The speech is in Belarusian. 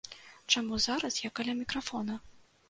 Чаму зараз я каля мікрафона?